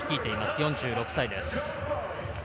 ４６歳です。